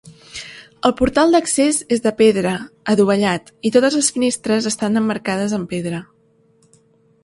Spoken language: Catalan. El portal d'accés és de pedra, adovellat, i totes les finestres estan emmarcades amb pedra.